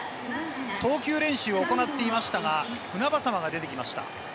投球練習を行っていましたが、船迫が出てきました。